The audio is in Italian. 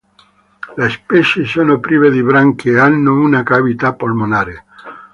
Le specie sono prive di branchie e hanno una cavità polmonare.